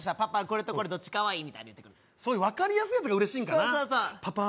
これとこれどっちかわいい？みたいに言ってくるそういう分かりやすいやつが嬉しいんかなパパ